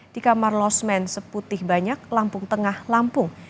di kamar losmen seputih banyak lampung tengah lampung